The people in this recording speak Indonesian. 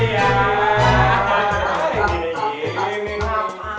ya apaan sih